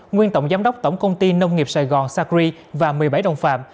nguyên tổng giám đốc tổng công ty nông nghiệp sài gòn sacri và một mươi bảy đồng phạm